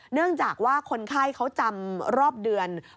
เนื่องจากว่าคนไข้เขาจำรอบเดือน